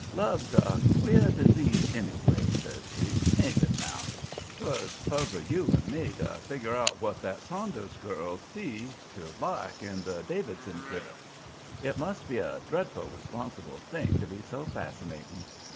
"Love's a queer disease, anyway," says he. "Ain't it, now? 'Twould puzzle you and me to figger out what that Saunders girl see to like in the Davidson critter. It must be a dreadful responsible thing to be so fascinating.